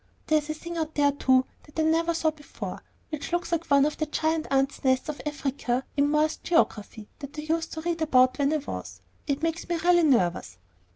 There's a thing out there, too, that I never saw before, which looks like one of the giant ants' nests of Africa in 'Morse's Geography' that I used to read about when I was It makes me really nervous."